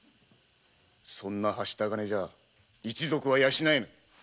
そんなはした金では一族は養えぬ。